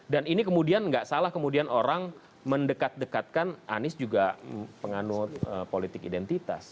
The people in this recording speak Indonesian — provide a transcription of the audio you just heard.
dan ini kemudian gak salah kemudian orang mendekat dekatkan anies juga penganut politik identitas